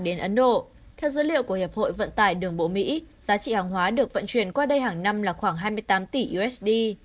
theo dữ liệu của hiệp hội vận tải đường bộ mỹ giá trị hàng hóa được vận chuyển qua đây hàng năm là khoảng hai mươi tám tỷ usd